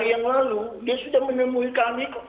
dia sudah menemui kami